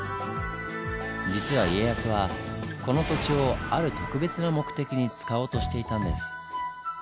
実は家康はこの土地をある特別な目的に使おうとしていたんです。